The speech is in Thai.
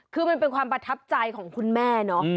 คือมันเป็นความประทับใจของคุณแม่เนาะ